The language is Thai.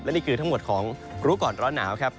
นี่คือทั้งหมดของรู้ก่อนร้อนหนาวครับ